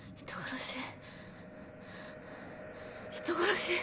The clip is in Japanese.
人殺し。